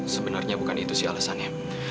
sebenarnya bukan itu sih alasannya